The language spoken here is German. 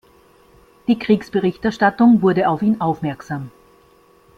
Die Kriegsberichterstattung wurde auf ihn aufmerksam.